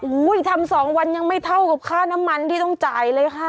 ทำ๒วันยังไม่เท่ากับค่าน้ำมันที่ต้องจ่ายเลยค่ะ